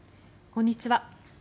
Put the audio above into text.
こんにちは。